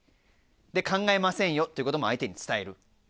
で考えませんよっていうことも相手に伝える。